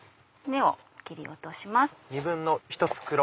根を切り落とします。